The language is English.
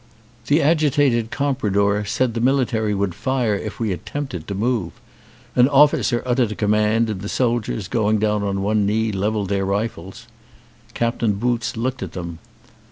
The agitated compradore said the military would fire if we attempted to move. An officer uttered a command and the soldiers, going down on one knee, levelled their rifles. Captain Boots looked at them.